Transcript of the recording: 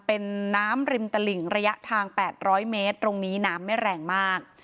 เป็นน้ำริมตลิ่งระยะทาง๘๐๐เมตรตรงนี้น้ำไม่แรงมาก